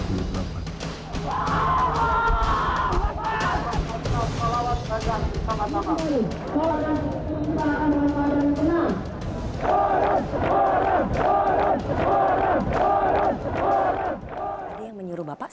tidak tidak ada